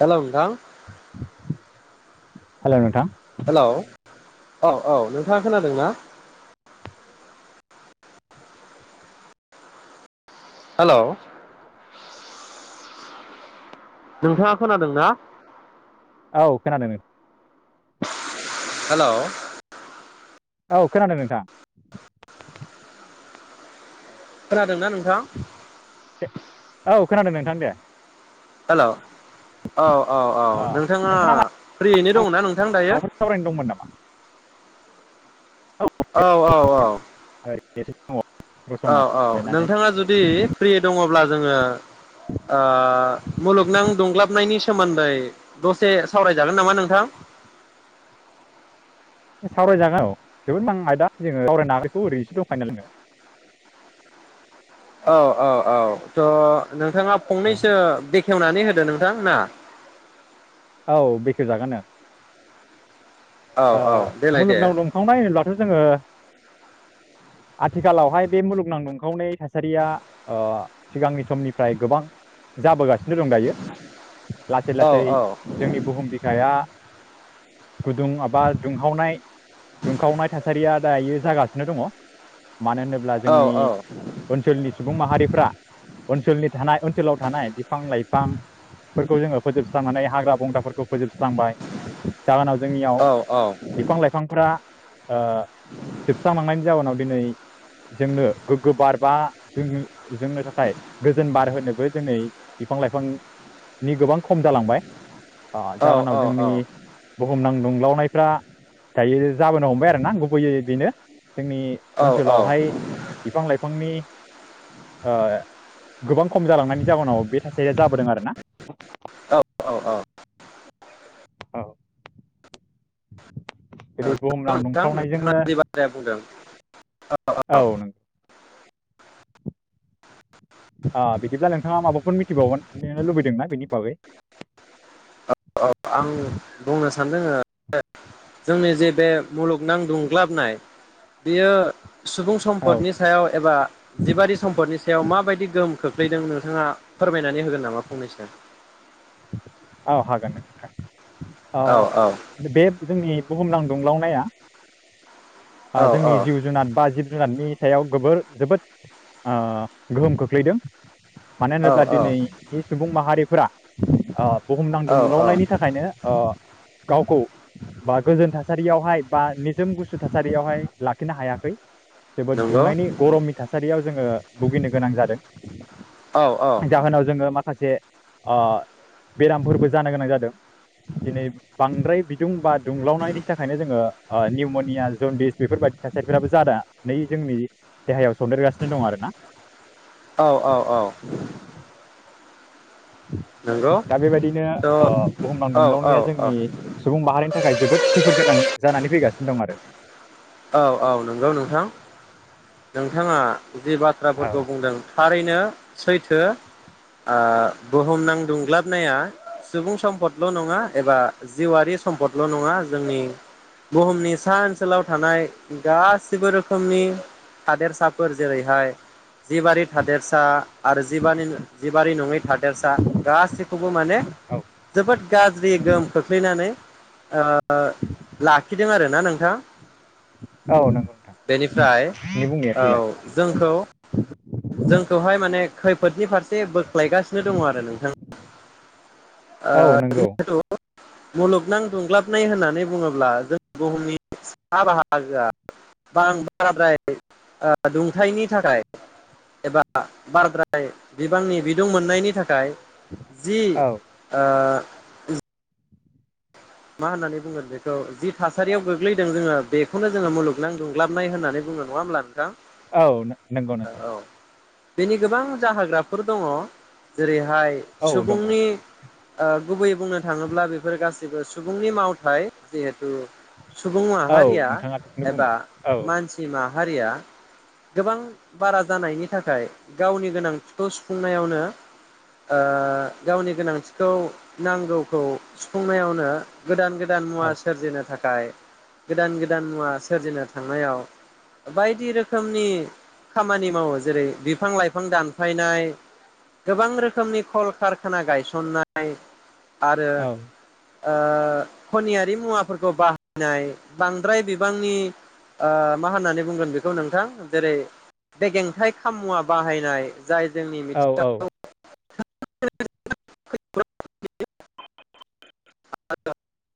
हेल दा हेल' नोंथां। हेलौ औ औ नोंथाङा खोनादों ना? हेल' नोंथाङा खोनादों ना? औ खोनादोंमोन । हेल' औ खोनादों नोंथां। खोनादोंना नों औ खोनादों नोंथां दे। हेल' औ औ औ अ नोंथाङा मा- फ्रियैनो आं दंना नोंथां दायो? माबाफोर सावरायनो दंमोन नामा औ औ औ बेसे [unintelligible] औ औ नोंथाङा जुदि फ्रि दङब्ला जोङो मुलुगनां दुंग्लाबनायनि सोमोन्दै दसे सावरायजागोन नामा नोंथां? सावरायजागोन औ जोबोद मां [unintelligible] आयदा जोङो सावरायना ह [unintelligible] बेखौ ओरैसो दंखायनो ङो औ औ औ त' नोंथाङा जोङो। फंनैसो खेवनानै होदो नोंथां ना? औ बेखेव जागोन। औ औ देलाय दे मुलुगनाव दंखांनाय होनोबथ' जोङो आथिखालावहाय बे मुलुगनां दंखावनै थासारिया सिगांनि समनिफ्राय गोबां जाबोगासिनो दंजायो लासै औ लासै औ बुहुम बिखाया गुदुं एबा दुंहावनाय दुंखावनाय थासारिया दाायो जागासिनो दङ मानो होनोब्ला औ जोंनि औ ओनसोलनि सुबुं माहारि फोरा ओनसोलनि थानाय ओनसोलाव थानाय बिफां लाइफांफोरखौ जोङो फोजोबस्रांनानै हाग्रा बंग्राफोरखौ फोजोबस्रांबाय जाहोनाव जोंनियाव औ बिफां लाइफांफोरा ओ जोबस्रां लांनायनि जाउनाव दिनै जोंनो गोग्गो बार बा जोंनो थाखाय गोजोन बार होनोबो दिनै बिफां लाइफांनि गोबां खम जालांबाय औ जाहोनाव औ जोंनि औ बहु बुहुमनां दुंलावनायफ्रा दायो जाबोनो हमबाय आरो ना गुबैयै बेनो जोंनि औ औ ओनसोलावहाय बिफां लाइफांनि ओ गोबां खम जालांनायनि जाहोनाव बे थाइसे आ जाबोदों आरोना औ औ औ औ जेरै नंगौ बुहुमनां नोंथां नोंथाङा दुंख्लावनायजोंनो जि बाथ्राया बुंदों औ औ [inaudible] आ बिदिब्ला नोंथाङा माबाफोर मिथिबावगोन नो लुबैदोंना बेनि बागै औ आं बुंनो सानदों जोंनि जे बे मुलुगनां दुंग्लाबनाय बेयो सुबुं औ सम्पदनि सायाव एबा जिबारि सम्पदनि सायाव माबायदि गोहोम खोख्लैदों नोंथाङा फोरमायनानै होगोन नामा फंनैसो औ हागोन नोंथां अ औ बे जोंनि बुहुमनां दुंग्लावनाया औ जोंनि जिब जुनार बा जिब जुनारनि सायाव गोबोर जोबोद आ गोहोम खोख्लैदों। मानो औ होनोब्ला दिनैनि सुबुं माहारि फोरा औ औ औ बुहुमनांदुंलावनायनि थाखायनो ओ गावखौ बा गोजोन थासारियावहाय बा निजोम गुसु थासारियावहाय लाखिनो हायाखै। जोबोद नंगौ दुंनायनि गरमनि थासारियाव जोङो भुगिनो गोनां जादों। औ औ जाहोनाव जोङो माखासे अ बेरामफोरबो जानो गोनां जादों दिनै बांद्राय बिदुं बा दुंलावनायनि थाखायनो जोङो ओ निउम'निया जनदिस बेफोरबायदि थासारिफोराबो जादा नै जोंनि देहायाव औ सन्देरगासिनो दं आरोना - औ - औ नंगौ दा बेबायदिनो थ' औ ओ बुहुमनां औ औ दुंलावनिया जोंनि सुबुं माहारिनि थाखाय जोबोद खैफोद गोनां जानानै फैगासिनो । दं आरो । औ औ नंगौ नोंथां । नोंथाङा जि औ बाथ्राफोरखौ बुंदों थारैनो सैथो ओ बुहुमनां दुंग्लाबनाया सुबुं सम्पदल' नङा, एबा जिउआारि सम्पदल' नङा जोंनि बुहुमनि सा ओनसोलाव थानाय गासिबो रोखोमनि थादेरसाफोर जेरैहाय जिबारि थादेरसा आरो जिबानिनो जिबारि नङै थादेरसा गासैखौबो माने औ जोबोद गाज्रि गोहोम खोख्लैनानै ओ ओ लाखिदों आरो । ना नोंथां? औ नंगौ नोंथां बेनिफ्राय नोंथांनि बुंनाया औ थिगानो जोंखौ जोंखौहाय माने खैफोदनि फारसे बोख्लायगासिनो दङ आरो नोंथां । औ ओ [inaudible] नंगौ बिदिनोथ' मुलुगनां दुंग्लाबनाय होननानै बुङोब्ला जों बुहुमनि सा बाहागोआ बां [unintelligible] बाराद्राय ओ दुंथायनि थाखाय एबा बाराद्राय बिबांनि बिदुं मोननायनि थाखाय, जि औ ओ मा होननानै बुंगोन बेखौ? जि थासारियाव गोग्लैदों जोङो बेखौनो जोङो मुलुगनांगौ दुं गाग्लाबनाय होननानै बुङो नङा होमब्ला नो औ नंगौ - नंगौ । बेनि गोबां जाहोग्राफोर दङ जेरै नाथाय औ दङ सुबुंनि ओ गुबैयै बुंनो थाङोब्ला बेफोर गासिबो सु सुबुंनि मावथाय जिहेथु सुबुं औ माहारिया नोंथाङा बेखौनो एबा बुंदों औ मानसि माहा हारिया गोबां बारा जानायनि थाखाय गावनि गोनांथिखौ सुफुंनायावनो ओ गावनि गोनांथिखौ नांगौखौ सुफुंनायावनो गोदान गोदान मुवा औ सोरजिनो थाख थाखाय गोदान गोदान मुवा सोरजिनो थांनायाव बायदि रोखोमनि खामानि मावो जेरै बिफां लाइफां दानफायनाय, गोबां रोखोमनि खल कारखाना गायसननाय । आरो औ ओ खनियारि मुवाफोरखौ बाहायनाय, बांद्राय बिबांनि ओ मा होननानै बुंगोन बेखौ नोंथां? जेरै बेगेंथाइ खाम मुवा बाहायनाय । जाय जोंनि औ औ मिथिंगाखौ [unintelligible] [unintelligible]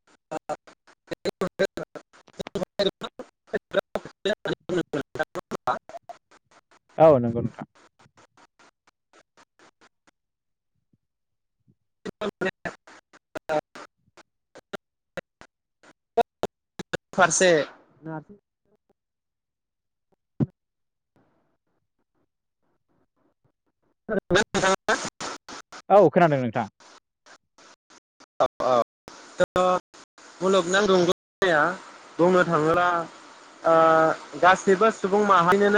[unintelligible] औ नंगौ नोंथां [unintelligible] फारसे। खोनादोंना‌ नोंथांङा? औ खोनादों नोंथां। औ औ ओ मुलुगनां दुंलावनाया बुंनो थाङोब्ला आ गाससिबो सुबुं माहायिनोनो